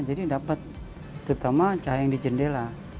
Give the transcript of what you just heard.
jadi dapat terutama cahaya yang di jendela